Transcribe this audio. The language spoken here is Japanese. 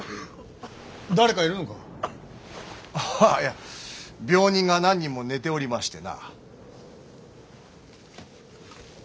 ああいや病人が何人も寝ておりましてな。